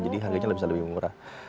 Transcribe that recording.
jadi harganya bisa lebih murah